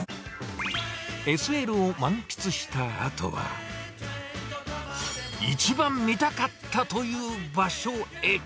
ＳＬを満喫したあとは、一番見たかったという場所へ。